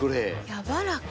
やわらか。